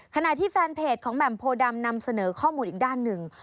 ขณะที่แฟนเพจของแหม่มโพดำนำเสนอข้อมูลอีกด้านหนึ่ง